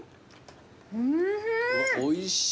おいしい。